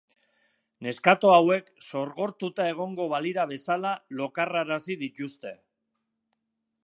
Neskato hauek sorgortuta egongo balira bezala lokarrarazi dituzte.